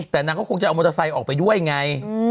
แต่นางก็คงจะเอามอเตอร์ไซค์ออกไปด้วยไง